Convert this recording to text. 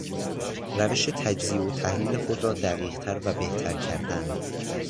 روش تجزیه و تحلیل خود را دقیقتر و بهتر کردن